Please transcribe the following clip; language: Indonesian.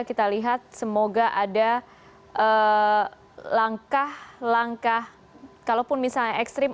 kita lihat semoga ada langkah langkah kalaupun misalnya ekstrim